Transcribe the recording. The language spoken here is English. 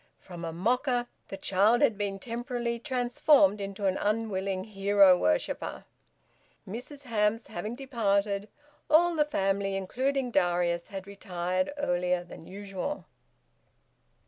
From a mocker, the child had been temporarily transformed into an unwilling hero worshipper. Mrs Hamps having departed, all the family, including Darius, had retired earlier than usual.